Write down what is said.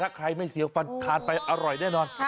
ถ้าใครไม่เสียวฟันทานไปอร่อยแน่นอน